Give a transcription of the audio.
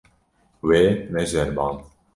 Wê neceriband.